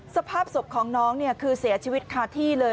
สภาพศพของน้องคือเสียชีวิตคาที่เลย